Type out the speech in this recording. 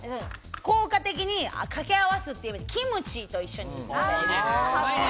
効果的に掛け合わすという意味でキムチと一緒に食べる。